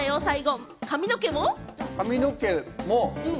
髪の毛を？